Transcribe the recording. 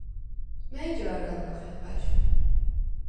მა̈ჲ ჯა̄რ ალ მახეღვა̈ჟ?